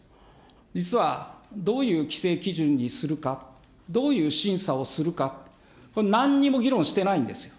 実は、どういう規制基準にするか、どういう審査をするか、これ、なんにも議論してないんですよ。